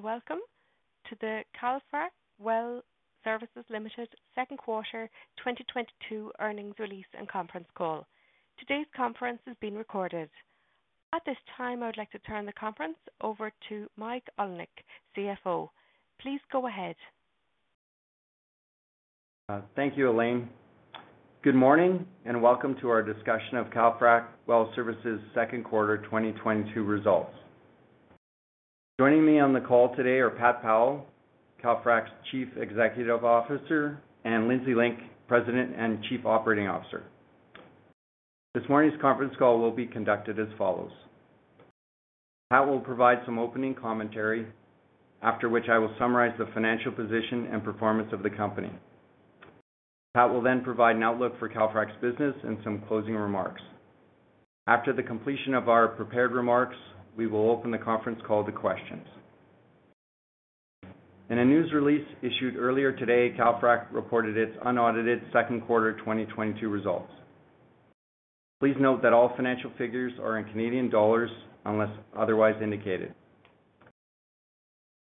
Welcome to the Calfrac Well Services Limited second quarter 2022 earnings release and conference call. Today's conference is being recorded. At this time, I would like to turn the conference over to Mike Olinek, CFO. Please go ahead. Thank you, Elaine. Good morning and welcome to our discussion of Calfrac Well Services second quarter 2022 results. Joining me on the call today are Pat Powell, Calfrac's Chief Executive Officer, and Lindsay Link, President and Chief Operating Officer. This morning's conference call will be conducted as follows. Pat will provide some opening commentary, after which I will summarize the financial position and performance of the company. Pat will then provide an outlook for Calfrac's business and some closing remarks. After the completion of our prepared remarks, we will open the conference call to questions. In a news release issued earlier today, Calfrac reported its unaudited second quarter 2022 results. Please note that all financial figures are in Canadian dollars unless otherwise indicated.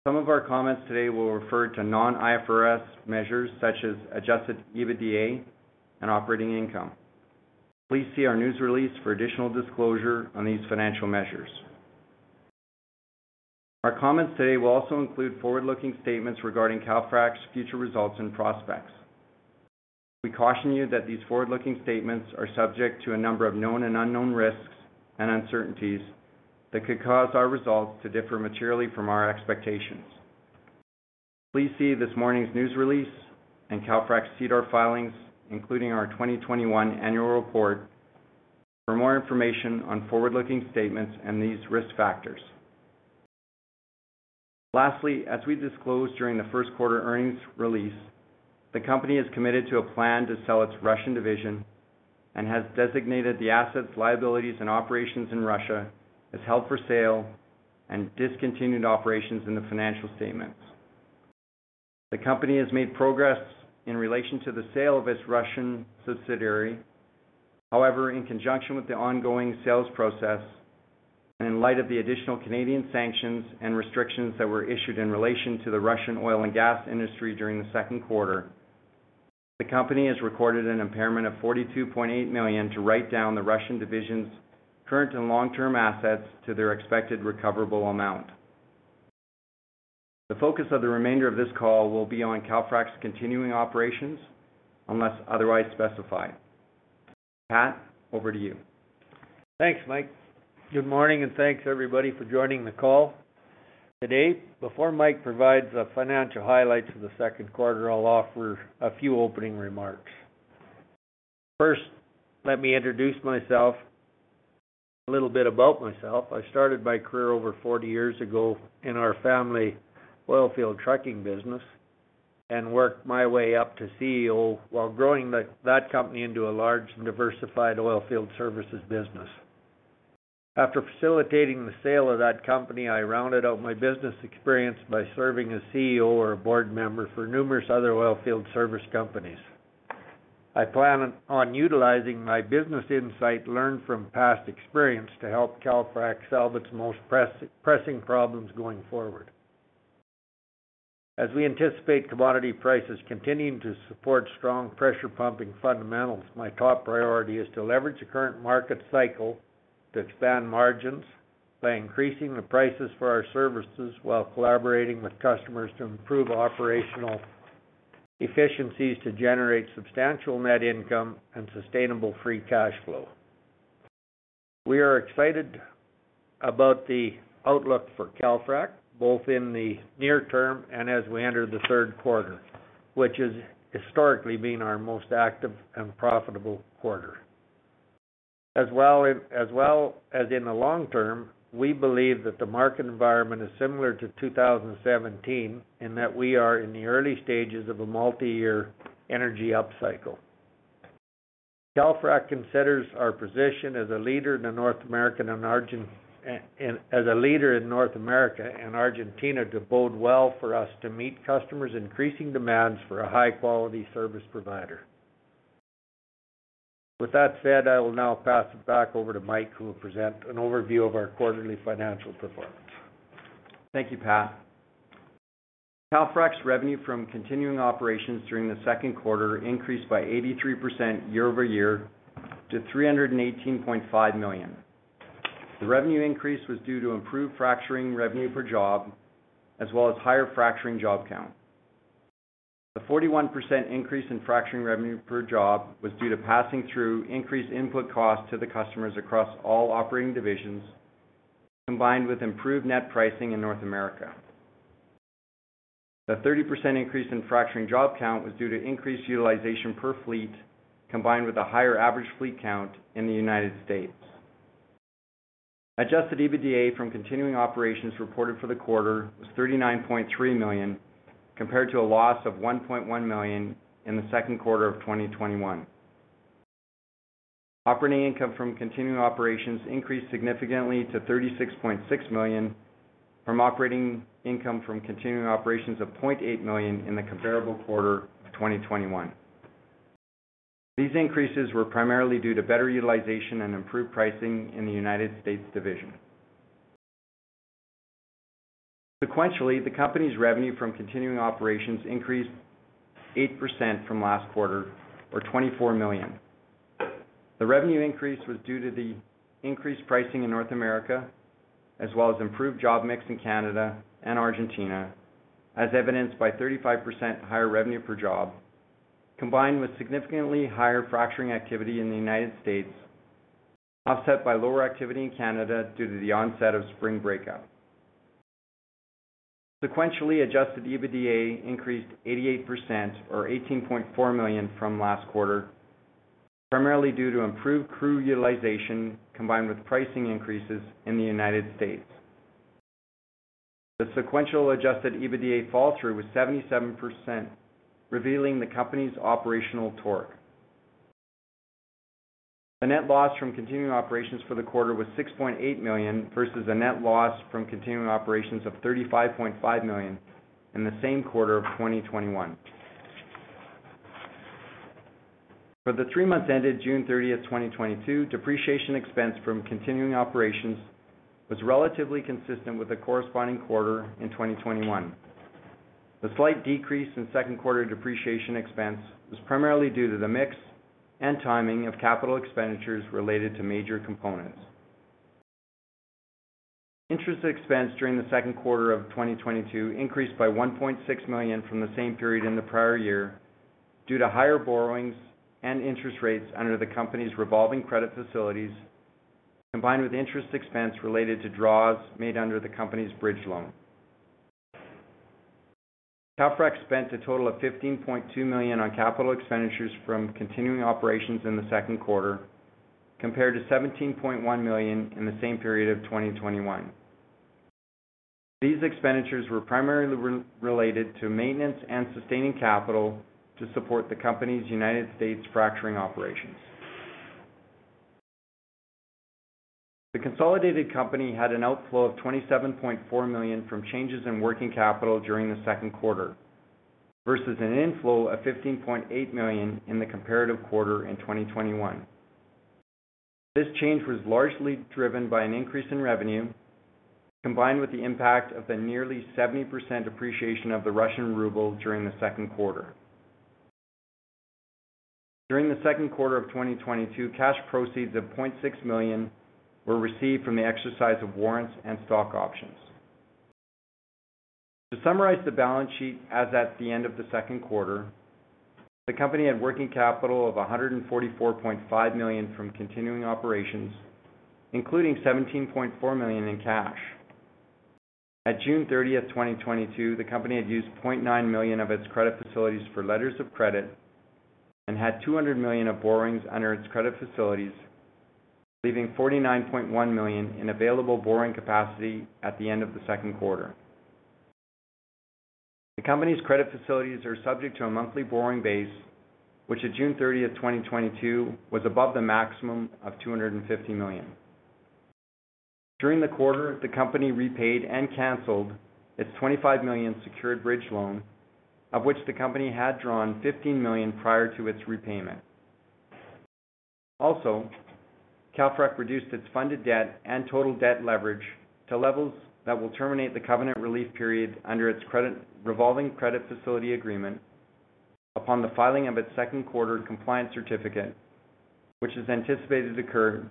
Some of our comments today will refer to non-IFRS measures such as adjusted EBITDA and operating income. Please see our news release for additional disclosure on these financial measures. Our comments today will also include forward-looking statements regarding Calfrac's future results and prospects. We caution you that these forward-looking statements are subject to a number of known and unknown risks and uncertainties that could cause our results to differ materially from our expectations. Please see this morning's news release and Calfrac's SEDAR filings, including our 2021 annual report for more information on forward-looking statements and these risk factors. Lastly, as we disclosed during the first quarter earnings release, the company has committed to a plan to sell its Russian division and has designated the assets, liabilities, and operations in Russia as held for sale and discontinued operations in the financial statements. The company has made progress in relation to the sale of its Russian subsidiary. However, in conjunction with the ongoing sales process and in light of the additional Canadian sanctions and restrictions that were issued in relation to the Russian oil and gas industry during the second quarter, the company has recorded an impairment of 42.8 million to write down the Russian division's current and long-term assets to their expected recoverable amount. The focus of the remainder of this call will be on Calfrac's continuing operations, unless otherwise specified. Pat, over to you. Thanks, Mike. Good morning, and thanks everybody for joining the call. Today, before Mike provides the financial highlights for the second quarter, I'll offer a few opening remarks. First, let me introduce myself, a little bit about myself. I started my career over 40 years ago in our family oil field trucking business and worked my way up to CEO while growing that company into a large and diversified oilfield services business. After facilitating the sale of that company, I rounded out my business experience by serving as CEO or a board member for numerous other oilfield service companies. I plan on utilizing my business insight learned from past experience to help Calfrac solve its most pressing problems going forward. As we anticipate commodity prices continuing to support strong pressure pumping fundamentals, my top priority is to leverage the current market cycle to expand margins by increasing the prices for our services while collaborating with customers to improve operational efficiencies to generate substantial net income and sustainable free cash flow. We are excited about the outlook for Calfrac, both in the near-term and as we enter the third quarter, which has historically been our most active and profitable quarter. As well as in the long-term, we believe that the market environment is similar to 2017 and that we are in the early stages of a multi-year energy upcycle. Calfrac considers our position as a leader in North America and Argentina to bode well for us to meet customers' increasing demands for a high-quality service provider. With that said, I will now pass it back over to Mike, who will present an overview of our quarterly financial performance. Thank you, Pat. Calfrac's revenue from continuing operations during the second quarter increased by 83% year-over-year to 318.5 million. The revenue increase was due to improved fracturing revenue per job as well as higher fracturing job count. The 41% increase in fracturing revenue per job was due to passing through increased input costs to the customers across all operating divisions, combined with improved net pricing in North America. The 30% increase in fracturing job count was due to increased utilization per fleet, combined with a higher average fleet count in the United States. Adjusted EBITDA from continuing operations reported for the quarter was 39.3 million, compared to a loss of 1.1 million in the second quarter of 2021. Operating income from continuing operations increased significantly to 36.6 million from operating income from continuing operations of 800,000 in the comparable quarter of 2021. These increases were primarily due to better utilization and improved pricing in the United States division. Sequentially, the company's revenue from continuing operations increased 8% from last quarter, or 24 million. The revenue increase was due to the increased pricing in North America, as well as improved job mix in Canada and Argentina, as evidenced by 35% higher revenue per job, combined with significantly higher fracturing activity in the United States, offset by lower activity in Canada due to the onset of spring breakup. Sequentially adjusted EBITDA increased 88% or 18.4 million from last quarter, primarily due to improved crew utilization combined with pricing increases in the United States. The sequential adjusted EBITDA fall-through was 77%, revealing the company's operational torque. The net loss from continuing operations for the quarter was 6.8 million versus a net loss from continuing operations of 35.5 million in the same quarter of 2021. For the three months ended June 30th, 2022, depreciation expense from continuing operations was relatively consistent with the corresponding quarter in 2021. The slight decrease in second quarter depreciation expense was primarily due to the mix and timing of capital expenditures related to major components. Interest expense during the second quarter of 2022 increased by 1.6 million from the same period in the prior year due to higher borrowings and interest rates under the company's revolving credit facilities, combined with interest expense related to draws made under the company's bridge loan. Calfrac spent a total of 15.2 million on capital expenditures from continuing operations in the second quarter, compared to 17.1 million in the same period of 2021. These expenditures were primarily related to maintenance and sustaining capital to support the company's United States fracturing operations. The consolidated company had an outflow of 27.4 million from changes in working capital during the second quarter versus an inflow of 15.8 million in the comparative quarter in 2021. This change was largely driven by an increase in revenue, combined with the impact of the nearly 70% appreciation of the Russian ruble during the second quarter. During the second quarter of 2022, cash proceeds of 600,000 were received from the exercise of warrants and stock options. To summarize the balance sheet as at the end of the second quarter, the company had working capital of 144.5 million from continuing operations, including 17.4 million in cash. At June 30th, 2022, the company had used 900,000 of its credit facilities for letters of credit and had 200 million of borrowings under its credit facilities, leaving 49.1 million in available borrowing capacity at the end of the second quarter. The company's credit facilities are subject to a monthly borrowing base, which at June 30th, 2022, was above the maximum of 250 million. During the quarter, the company repaid and canceled its 25 million secured bridge loan, of which the company had drawn 15 million prior to its repayment. Also, Calfrac reduced its funded debt and total debt leverage to levels that will terminate the covenant relief period under its credit, revolving credit facility agreement upon the filing of its second quarter compliance certificate, which is anticipated to occur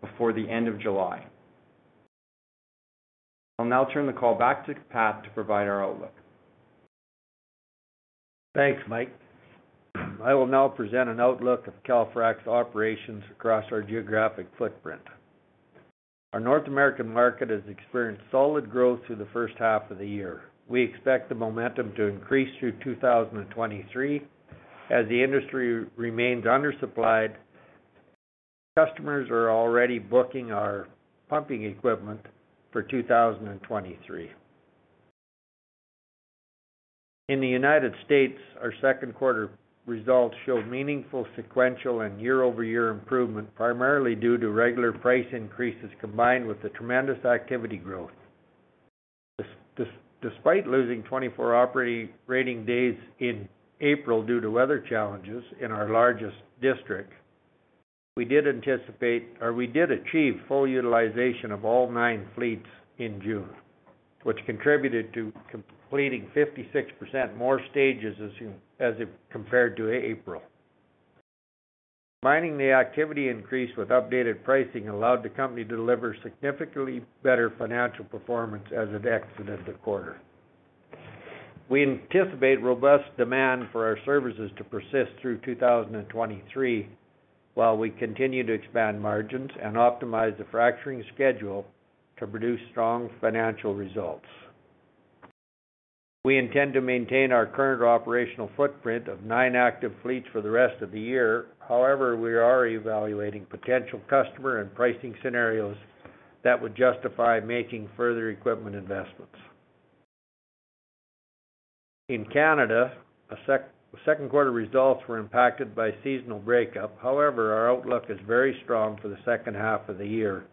before the end of July. I'll now turn the call back to Pat to provide our outlook. Thanks, Mike. I will now present an outlook of Calfrac's operations across our geographic footprint. Our North American market has experienced solid growth through the first half of the year. We expect the momentum to increase through 2023 as the industry remains undersupplied. Customers are already booking our pumping equipment for 2023. In the United States, our second quarter results showed meaningful sequential and year-over-year improvement, primarily due to regular price increases combined with the tremendous activity growth. Despite losing 24 operating rating days in April due to weather challenges in our largest district, we did anticipate or we did achieve full utilization of all nine fleets in June, which contributed to completing 56% more stages as compared to April. Combining the activity increase with updated pricing allowed the company to deliver significantly better financial performance as it exited the quarter. We anticipate robust demand for our services to persist through 2023, while we continue to expand margins and optimize the fracturing schedule to produce strong financial results. We intend to maintain our current operational footprint of nine active fleets for the rest of the year. However, we are evaluating potential customer and pricing scenarios that would justify making further equipment investments. In Canada, second quarter results were impacted by spring breakup. However, our outlook is very strong for the second half of the year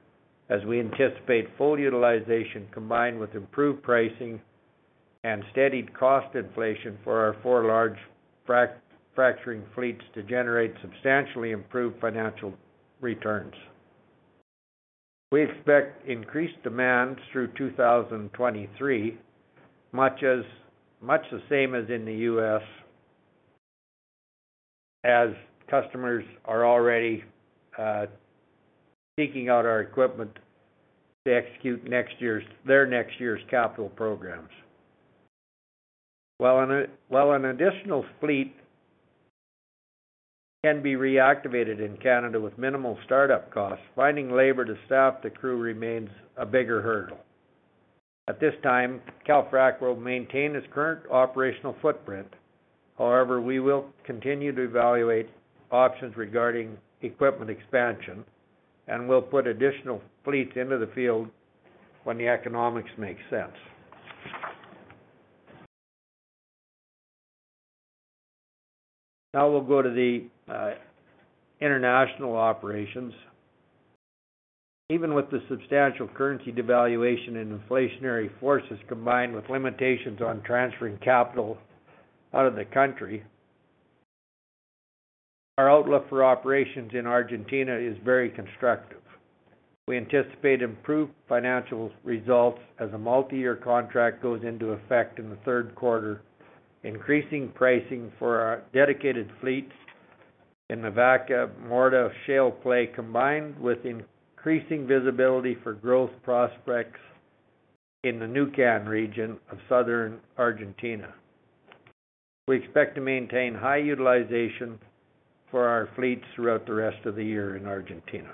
as we anticipate full utilization combined with improved pricing and steadied cost inflation for our four large fracturing fleets to generate substantially improved financial returns. We expect increased demand through 2023, much the same as in the U.S. as customers are already seeking out our equipment to execute their next year's capital programs. While an additional fleet can be reactivated in Canada with minimal startup costs, finding labor to staff the crew remains a bigger hurdle. At this time, Calfrac will maintain its current operational footprint. However, we will continue to evaluate options regarding equipment expansion, and we'll put additional fleets into the field when the economics make sense. Now we'll go to the international operations. Even with the substantial currency devaluation and inflationary forces, combined with limitations on transferring capital out of the country, our outlook for operations in Argentina is very constructive. We anticipate improved financial results as a multi-year contract goes into effect in the third quarter, increasing pricing for our dedicated fleets in Vaca Muerta Shale play, combined with increasing visibility for growth prospects in the Neuquén region of southern Argentina. We expect to maintain high utilization for our fleets throughout the rest of the year in Argentina.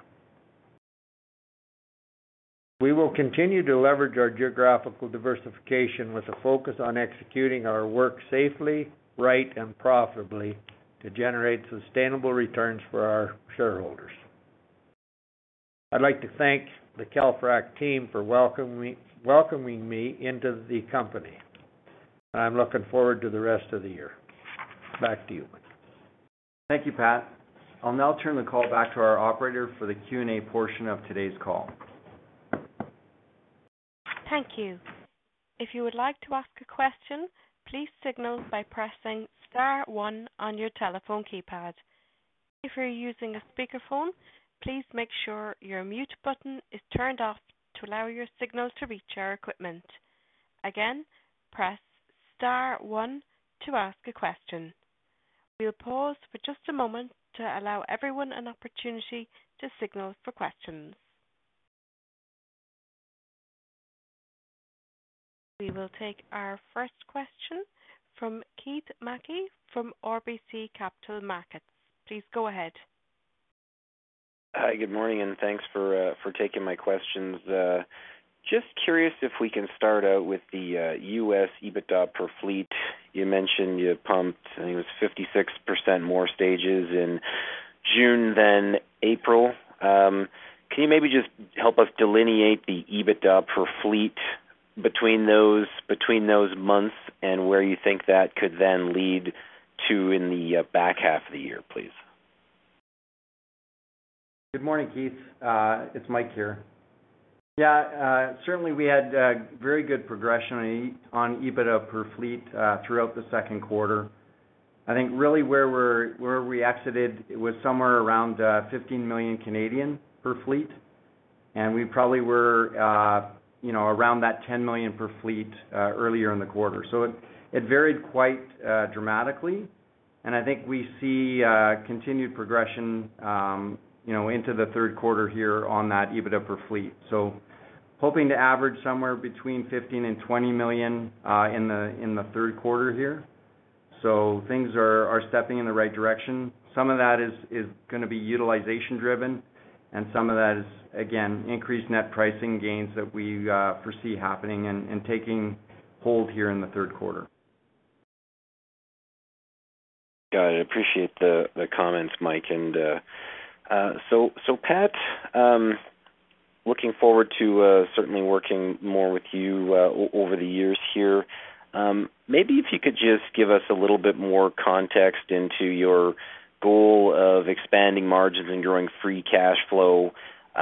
We will continue to leverage our geographical diversification with a focus on executing our work safely, right, and profitably to generate sustainable returns for our shareholders. I'd like to thank the Calfrac team for welcoming me into the company, and I'm looking forward to the rest of the year. Back to you, Mike. Thank you, Pat. I'll now turn the call back to our operator for the Q&A portion of today's call. Thank you. If you would like to ask a question, please signal by pressing star one on your telephone keypad. If you're using a speakerphone, please make sure your mute button is turned off to allow your signal to reach our equipment. Again, press star one to ask a question. We'll pause for just a moment to allow everyone an opportunity to signal for questions. We will take our first question from Keith Mackey from RBC Capital Markets. Please go ahead. Hi, good morning, and thanks for taking my questions. Just curious if we can start out with the U.S. EBITDA per fleet. You mentioned you pumped, I think it was 56% more stages in June than April. Can you maybe just help us delineate the EBITDA per fleet between those months and where you think that could then lead to in the back half of the year, please? Good morning, Keith. It's Mike here. Certainly, we had very good progression on EBITDA per fleet throughout the second quarter. I think really where we exited was somewhere around 15 million per fleet, and we probably were, you know, around that 10 million per fleet earlier in the quarter. It varied quite dramatically. I think we see continued progression, you know, into the third quarter here on that EBITDA per fleet. Hoping to average somewhere between 15 million-20 million in the third quarter here. Things are stepping in the right direction. Some of that is gonna be utilization driven, and some of that is again increased net pricing gains that we foresee happening and taking hold here in the third quarter. Got it. Appreciate the comments, Mike. Pat, looking forward to certainly working more with you over the years here. Maybe if you could just give us a little bit more context into your goal of expanding margins and growing free cash flow.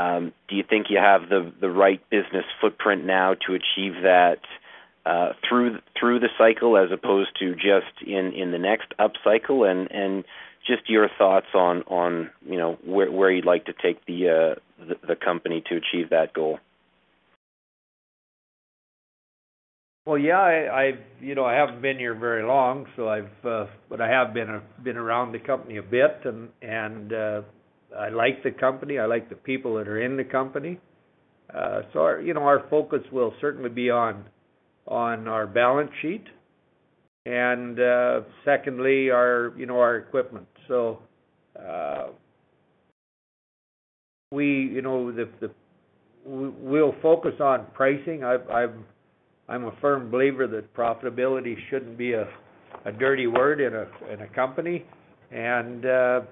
Do you think you have the right business footprint now to achieve that through the cycle as opposed to just in the next upcycle? Just your thoughts on you know where you'd like to take the company to achieve that goal. Well, yeah, I've you know I haven't been here very long, so but I have been around the company a bit and I like the company, I like the people that are in the company. You know, our focus will certainly be on our balance sheet and secondly our you know our equipment. You know, we'll focus on pricing. I'm a firm believer that profitability shouldn't be a dirty word in a company. I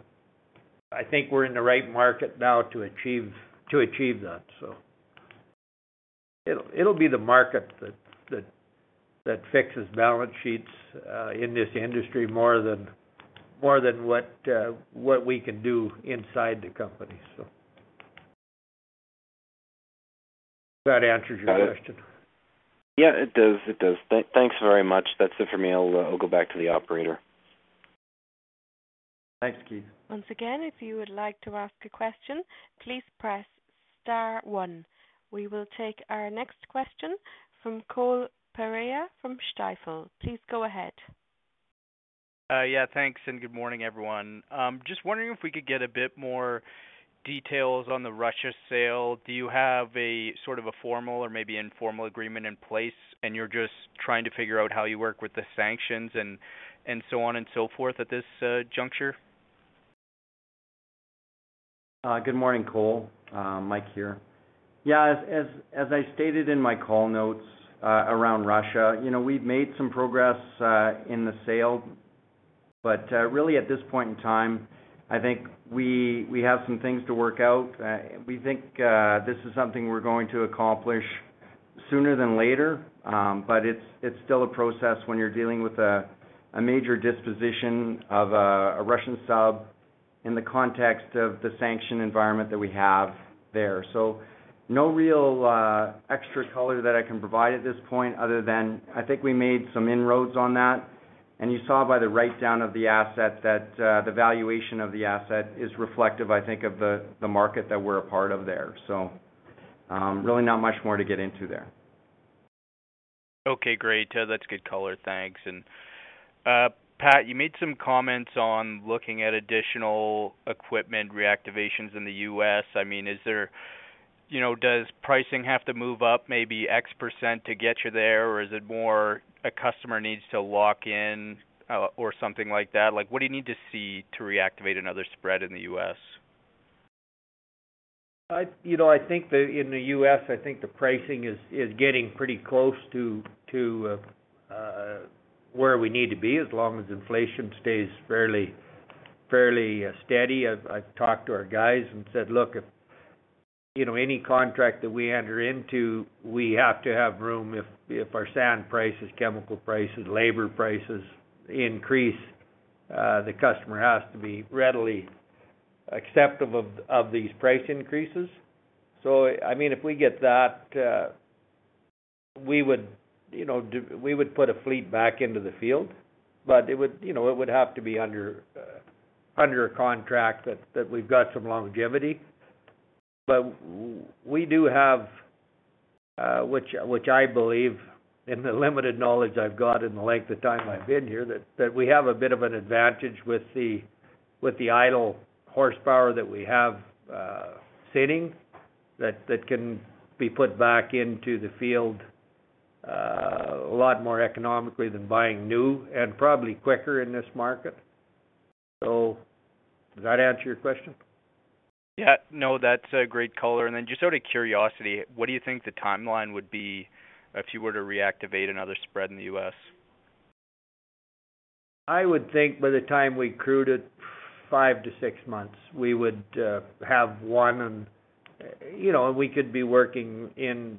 think we're in the right market now to achieve that. It'll be the market that fixes balance sheets in this industry more than what we can do inside the company. That answers your question. Yeah, it does. Thanks very much. That's it for me. I'll go back to the operator. Thanks, Keith. Once again, if you would like to ask a question, please press star one. We will take our next question from Cole Pereira from Stifel. Please go ahead. Yeah, thanks, and good morning, everyone. Just wondering if we could get a bit more details on the Russia sale. Do you have a sort of a formal or maybe informal agreement in place, and you're just trying to figure out how you work with the sanctions and so on and so forth at this juncture? Good morning, Cole. Mike here. Yeah, as I stated in my call notes, around Russia, you know, we've made some progress in the sale, but really at this point in time, I think we have some things to work out. We think this is something we're going to accomplish sooner than later. But it's still a process when you're dealing with a major disposition of a Russian sub in the context of the sanction environment that we have there. So no real extra color that I can provide at this point other than I think we made some inroads on that. You saw by the write-down of the asset that the valuation of the asset is reflective, I think, of the market that we're a part of there. Really not much more to get into there. Okay, great. That's good color. Thanks. Pat, you made some comments on looking at additional equipment reactivations in the U.S. I mean, is there? You know, does pricing have to move up maybe X percent to get you there? Or is it more a customer needs to lock in, or something like that? Like, what do you need to see to reactivate another spread in the U.S.? You know, I think in the U.S., I think the pricing is getting pretty close to where we need to be, as long as inflation stays fairly steady. I've talked to our guys and said, "Look, if you know, any contract that we enter into, we have to have room if our sand prices, chemical prices, labor prices increase, the customer has to be readily acceptable to these price increases." I mean, if we get that, we would, you know, put a fleet back into the field, but it would, you know, have to be under a contract that we've got some longevity. We do have, which I believe in the limited knowledge I've got and the length of time I've been here, that we have a bit of an advantage with the idle horsepower that we have sitting that can be put back into the field a lot more economically than buying new and probably quicker in this market. Does that answer your question? Yeah. No, that's a great color. Just out of curiosity, what do you think the timeline would be if you were to reactivate another spread in the U.S.? I would think by the time we crew it, five to six months, we would have one and, you know, we could be working in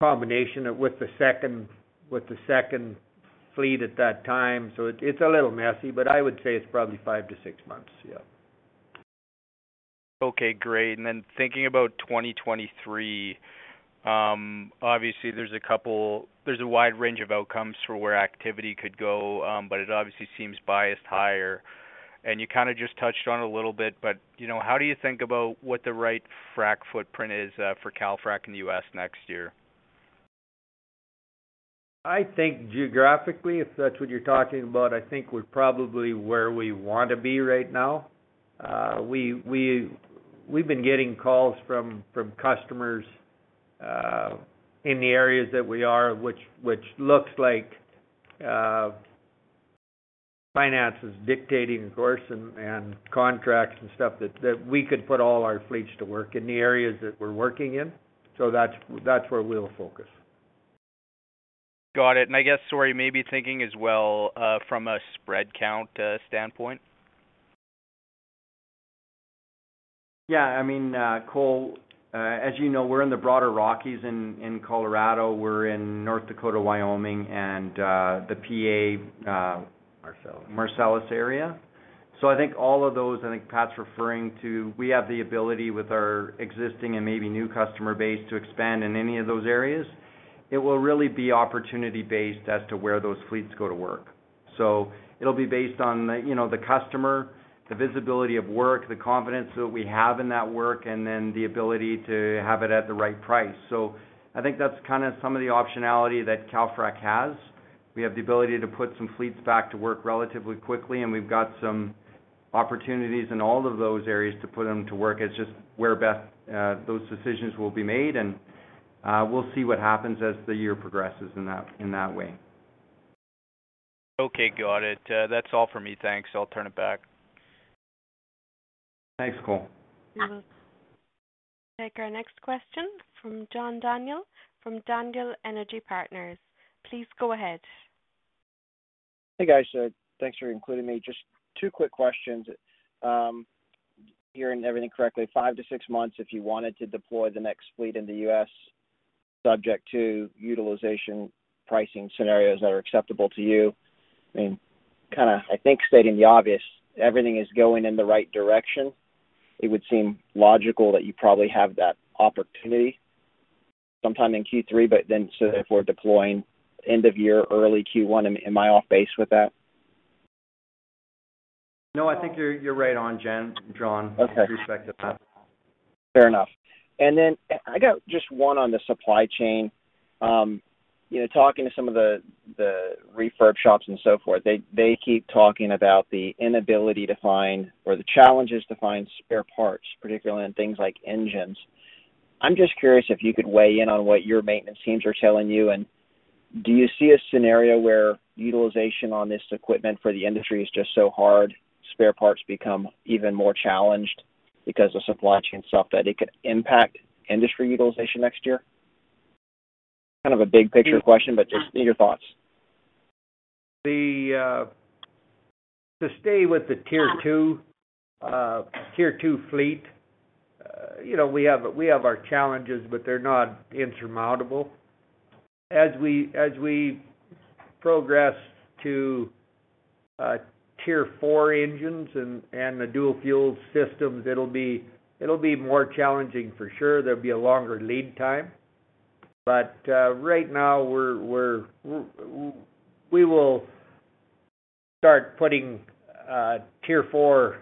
combination with the second fleet at that time. It's a little messy, but I would say it's probably five to six months. Yeah. Okay, great. Thinking about 2023, obviously there's a wide range of outcomes for where activity could go, but it obviously seems biased higher. You kinda just touched on a little bit, but, you know, how do you think about what the right frac footprint is for Calfrac in the U.S. next year? I think geographically, if that's what you're talking about, I think we're probably where we want to be right now. We've been getting calls from customers in the areas that we are, which looks like finances dictating course and contracts and stuff that we could put all our fleets to work in the areas that we're working in. That's where we'll focus. Got it. I guess, sorry, maybe thinking as well, from a spread count, standpoint. Yeah, I mean, Cole, as you know, we're in the broader Rockies in Colorado, we're in North Dakota, Wyoming, and the PA. Marcellus. Marcellus area. I think all of those Pat's referring to, we have the ability with our existing and maybe new customer base to expand in any of those areas. It will really be opportunity-based as to where those fleets go to work. It'll be based on the, you know, the customer, the visibility of work, the confidence that we have in that work, and then the ability to have it at the right price. I think that's kinda some of the optionality that Calfrac has. We have the ability to put some fleets back to work relatively quickly, and we've got some opportunities in all of those areas to put them to work. It's just where best those decisions will be made, and we'll see what happens as the year progresses in that way. Okay, got it. That's all for me. Thanks. I'll turn it back. Thanks, Cole. We will take our next question from John Daniel from Daniel Energy Partners. Please go ahead. Hey, guys. Thanks for including me. Just two quick questions. Hearing everything correctly, five to six months if you wanted to deploy the next fleet in the U.S. Subject to utilization pricing scenarios that are acceptable to you. I mean, kind of, I think stating the obvious, everything is going in the right direction. It would seem logical that you probably have that opportunity sometime in Q3, but then, so if we're deploying end of year, early Q1. Am I off base with that? No, I think you're right on John. Okay. With respect to that. Fair enough. Then I got just one on the supply chain. You know, talking to some of the refurb shops and so forth, they keep talking about the inability to find or the challenges to find spare parts, particularly in things like engines. I'm just curious if you could weigh in on what your maintenance teams are telling you. Do you see a scenario where utilization on this equipment for the industry is just so hard, spare parts become even more challenged because of supply chain stuff that it could impact industry utilization next year? Kind of a big picture question, but just need your thoughts. To stay with the Tier II fleet, you know, we have our challenges, but they're not insurmountable. As we progress to Tier IV engines and the dual fuel systems, it'll be more challenging for sure. There'll be a longer lead time. Right now we will start putting Tier IV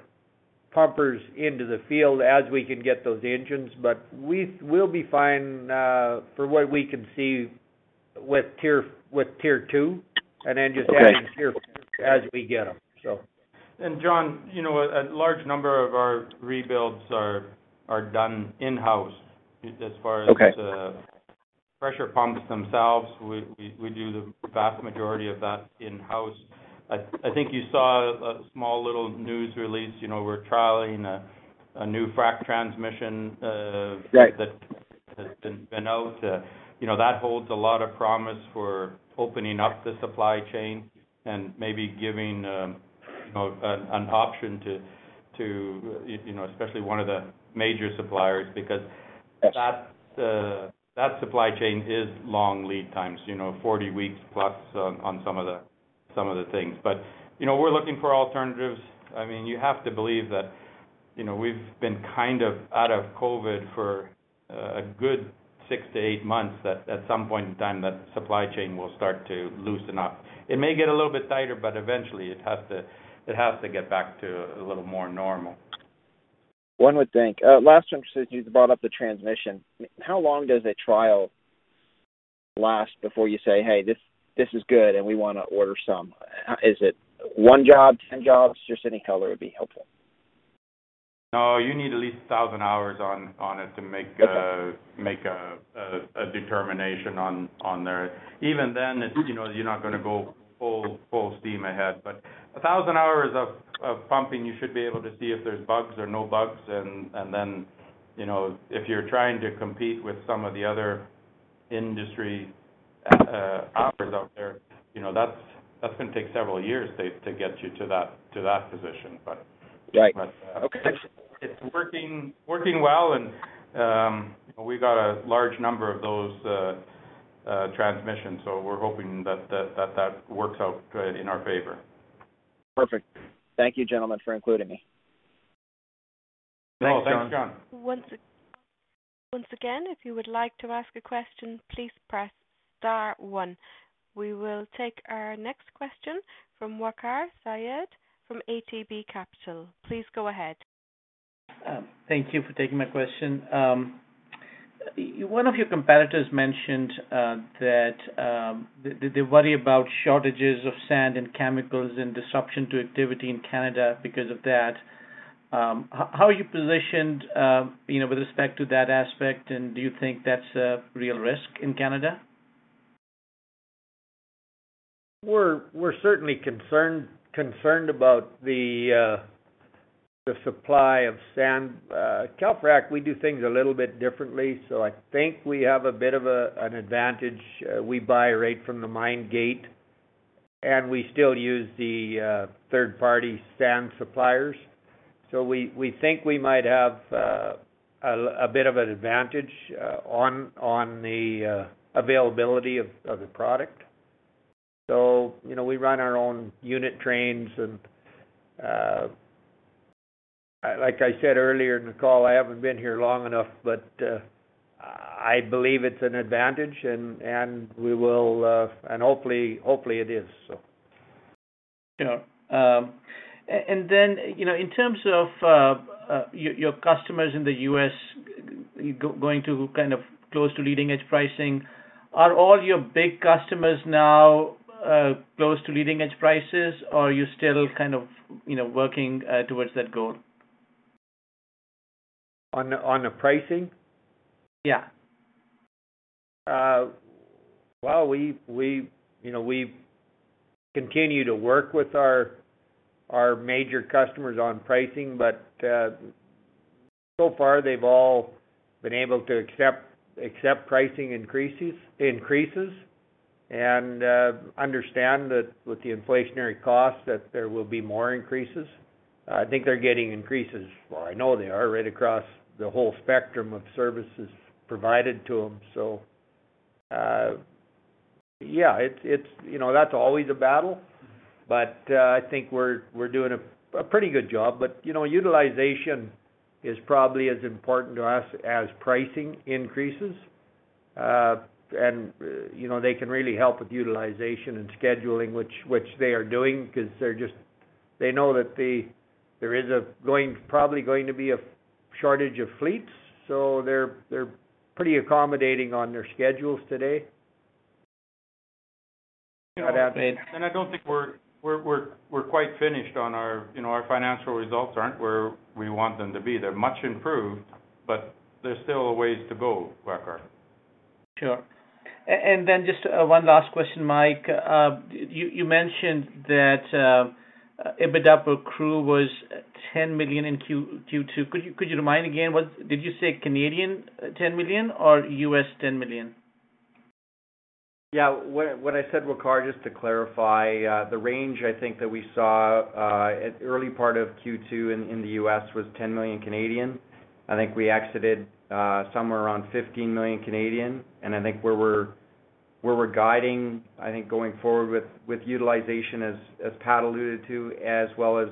pumpers into the field as we can get those engines, but we'll be fine for what we can see with Tier II. Okay. Tier IV as we get them. John, you know, a large number of our rebuilds are done in-house as far as the- Okay. Pressure pumps themselves. We do the vast majority of that in-house. I think you saw a small little news release. You know, we're trialing a new frac transmission. Right. That's been out. You know, that holds a lot of promise for opening up the supply chain and maybe giving you know, an option to you know, especially one of the major suppliers because- Yes. That supply chain is long lead times, you know, 40 weeks plus on some of the things. You know, we're looking for alternatives. I mean, you have to believe that, you know, we've been kind of out of COVID for a good six to eight months. That at some point in time, that supply chain will start to loosen up. It may get a little bit tighter, but eventually it has to get back to a little more normal. One would think. Last time you brought up the transmission. How long does a trial last before you say, "Hey, this is good and we wanna order some?" Is it one job, ten jobs? Just any color would be helpful. No, you need at least 1000 hours on it. Okay. Make a determination on there. Even then, you know, you're not gonna go full steam ahead, but 1,000 hours of pumping, you should be able to see if there's bugs or no bugs. Then, you know, if you're trying to compete with some of the other industry offers out there, you know, that's gonna take several years to get you to that position, but. Right. Okay. It's working well and we've got a large number of those transmissions, so we're hoping that works out good in our favor. Perfect. Thank you, gentlemen, for including me. Thanks, John. No, thanks, John. Once again, if you would like to ask a question, please press star one. We will take our next question from Waqar Syed from ATB Capital. Please go ahead. Thank you for taking my question. One of your competitors mentioned that they worry about shortages of sand and chemicals and disruption to activity in Canada because of that. How are you positioned, you know, with respect to that aspect, and do you think that's a real risk in Canada? We're certainly concerned about the supply of sand. Calfrac, we do things a little bit differently, so I think we have a bit of an advantage. We buy right from the mine gate, and we still use third-party sand suppliers. We think we might have a bit of an advantage on the availability of the product. You know, we run our own unit trains and, like I said earlier in the call, I haven't been here long enough, but I believe it's an advantage and we will and hopefully it is so. Sure. You know, in terms of your customers in the U.S. going to kind of close to leading edge pricing, are all your big customers now close to leading edge prices or are you still kind of, you know, working towards that goal? On the pricing? Yeah. Well, you know, we continue to work with our major customers on pricing, but so far they've all been able to accept pricing increases. Understand that with the inflationary costs that there will be more increases. I think they're getting increases, well I know they are, right across the whole spectrum of services provided to them. Yeah, it's, you know, that's always a battle, but I think we're doing a pretty good job. You know, utilization is probably as important to us as pricing increases. You know, they can really help with utilization and scheduling, which they are doing because they're just they know that there is probably going to be a fleet shortage of fleets. They're pretty accommodating on their schedules today. I don't think we're quite finished on our, you know, our financial results aren't where we want them to be. They're much improved, but there's still a ways to go, Waqar. Sure. One last question, Mike. You mentioned that EBITDA per fleet was 10 million in Q2. Could you remind again? Did you say 10 million or $10 million? Yeah. What I said, Waqar, just to clarify, the range I think that we saw at early part of Q2 in the U.S was 10 million. I think we exited somewhere around 15 million. I think where we're guiding, I think going forward with utilization as Pat alluded to, as well as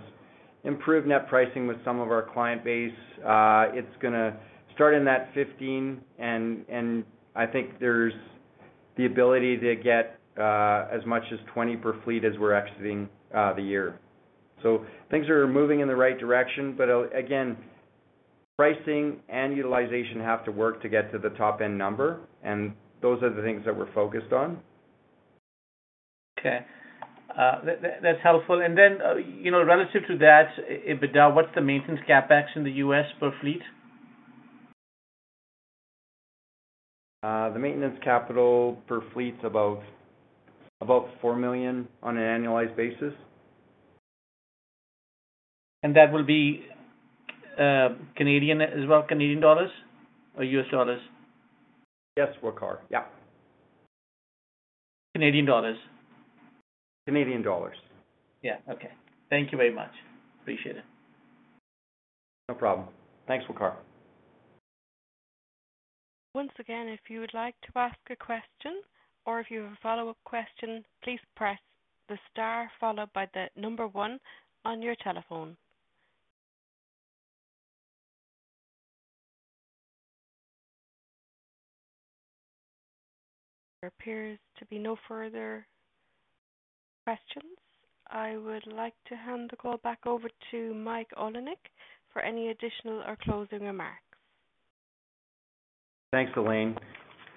improved net pricing with some of our client base, it's gonna start in that 15 million and I think there's the ability to get as much as 20 million per fleet as we're exiting the year. Things are moving in the right direction. But again, pricing and utilization have to work to get to the top end number, and those are the things that we're focused on. Okay. That's helpful. You know, relative to that, EBITDA, what's the maintenance CapEx in the U.S. per fleet? The maintenance capital per fleet's about 4 million on an annualized basis. That will be, Canadian as well? Canadian dollars or US dollars? Yes, Waqar. Yeah. Canadian dollars. Canadian dollars. Yeah. Okay. Thank you very much. Appreciate it. No problem. Thanks, Waqar. Once again, if you would like to ask a question or if you have a follow-up question, please press the star followed by the number one on your telephone. There appears to be no further questions. I would like to hand the call back over to Mike Olinek for any additional or closing remarks. Thanks, Elaine.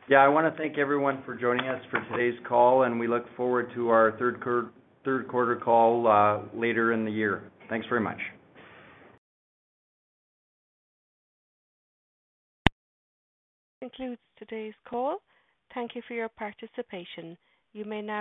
Yeah, I wanna thank everyone for joining us for today's call, and we look forward to our third quarter call later in the year. Thanks very much. This concludes today's call. Thank you for your participation. You may now disconnect.